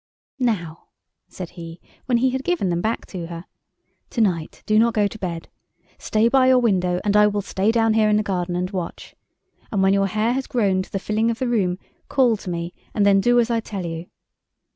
"Now," said he, when he had given them back to her, "to night do not go to bed. Stay by your window, and I will stay down here in the garden and watch. And when your hair has grown to the filling of your room call to me, and then do as I tell you."